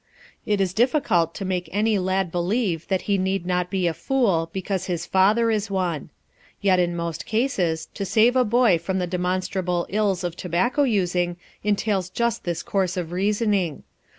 It is difficult to make any lad believe that he need not be a fool because his father is one. Yet in most cases to save a boy from the demonstrable ills of tobacco using entails just this course of reasoning.